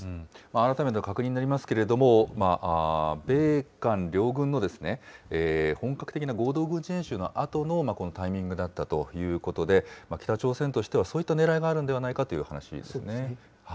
改めて確認になりますけれども、米韓両軍の本格的な合同軍事演習のあとのこのタイミングだったということで、北朝鮮としては、そういったねらいがあるんではないかという話ですね。